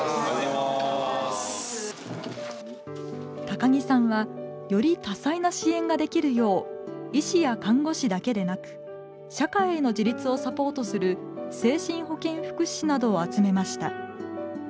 高木さんはより多彩な支援ができるよう医師や看護師だけでなく社会への自立をサポートする精神保健福祉士などを集めました。